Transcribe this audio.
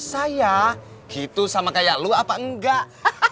saya gitu sama kayak lu apa enggak